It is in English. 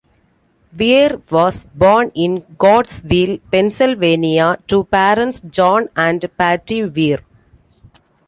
Weir was born in Coatesville, Pennsylvania, to parents John and Patti Weir.